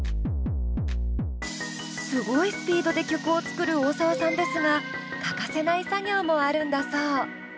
すごいスピードで曲を作る大沢さんですが欠かせない作業もあるんだそう。